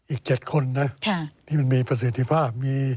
อีก๗คนนะที่มันมีประสิทธิภาพ